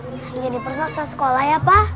nah jeniper gak usah sekolah ya pak